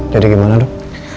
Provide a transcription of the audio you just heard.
jadi gimana dok